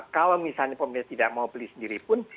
kalau misalnya pemerintah tidak mau beli sendiri pun